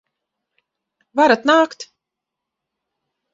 Varat nākt!